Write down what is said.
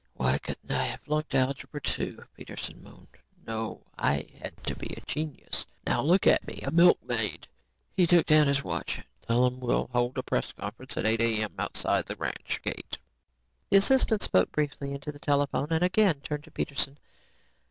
"Why couldn't I have flunked Algebra Two," Peterson moaned. "No, I had to be a genius. Now look at me. A milkmaid." He looked at his watch. "Tell 'em we'll hold a press conference at 8:00 a.m. outside the ranch gate." The assistant spoke briefly into the phone and again turned to Peterson.